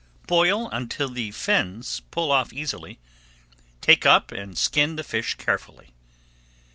Boil until the fins pull off easily, take up and skin the fish carefully.